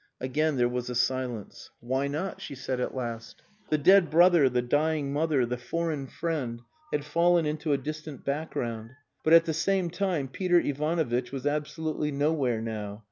Again there was a silence. "Why not?" she said at last. The dead brother, the dying mother, the foreign friend, had fallen into a distant background. But, at the same time, Peter Ivanovitch was absolutely nowhere now.